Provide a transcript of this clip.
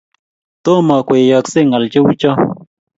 Tomo koyayasge ngaal cheucho